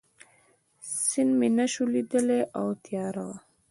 سیند مې نه شوای لیدای او تیاره وه.